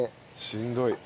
しんどい。